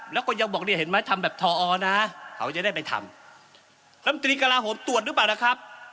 แล้วก็ยังบอกเนี่ยเห็นไหมทำแบบทอนะเขาจะได้ไปทำลำตรีกระลาโหมตรวจหรือเปล่าล่ะครับ